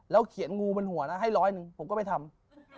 เขียนงูบนหัวนะให้ร้อยหนึ่งผมก็ไปทำ